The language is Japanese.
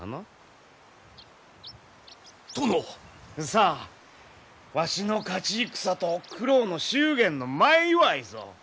さあわしの勝ち戦と九郎の祝言の前祝いぞ。